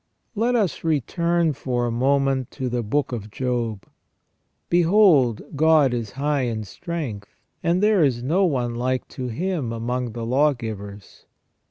Let us return for a moment to the Book of Job :" Behold, God is high in strength, and there is no one like to Him among the law givers.